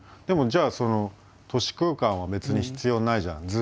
でもじゃあその都市空間は別に必要ないじゃん。